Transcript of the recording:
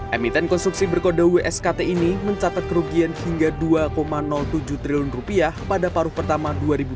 emiten konstruksi berkode wskt ini mencatat kerugian hingga dua tujuh triliun rupiah pada paruh pertama dua ribu dua puluh